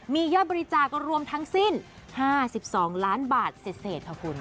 มียอดบริจาครวมทั้งสิ้น๕๒ล้านบาทเศษค่ะคุณ